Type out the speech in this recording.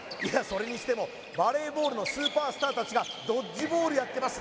それにしてもバレーボールのスーパースター達がドッジボールやってます